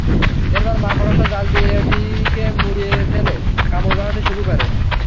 এরপর মাকড়সা জাল দিয়ে এটিকে মুড়িয়ে ফেলে কামড় বসাতে শুরু করে।